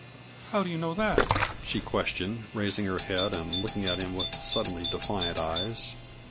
"How do you know that?" she questioned, raising her head and looking at him with suddenly defiant eyes.